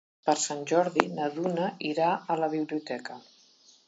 Per Sant Jordi na Duna irà a la biblioteca.